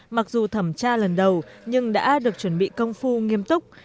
mặc dù thẩm tra lần đầu nhưng đã được chuẩn bị công phu nghiêm túc